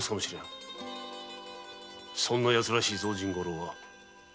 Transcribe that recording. そんなヤツらしいぞ甚五郎は。